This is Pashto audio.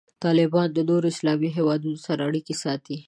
طالبان د نورو اسلامي هیوادونو سره اړیکې ساتي.